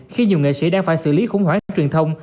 khi nhiều nghệ sĩ đang phải xử lý khủng hoảng rác truyền thông